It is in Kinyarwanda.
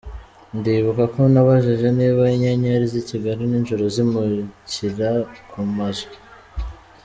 Ndibuka ko nabajije niba inyenyeri z’i Kigali ninjoro zimukira ku mazu.